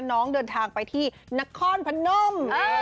น้องเดินทางไปที่นครพนม